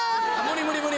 無理無理。